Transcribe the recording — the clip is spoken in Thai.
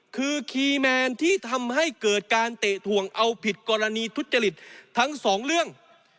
คือคีย์แมนที่ทำให้เกิดการเตะถ่วงเอาผิดกรณีทุจริตทั้งสองเรื่อง